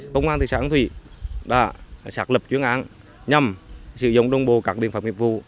công an thị xã an thủy đã xác lập chuyên án nhằm sử dụng đồng bộ các biện pháp nghiệp vụ